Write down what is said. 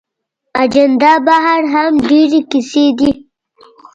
اجندا بهر هم ډېرې کیسې دي.